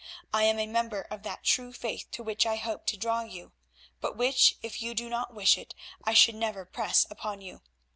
I am a member of that true faith to which I hope to draw you, but which if you do not wish it I should never press upon you.